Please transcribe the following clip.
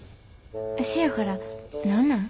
せやから何なん？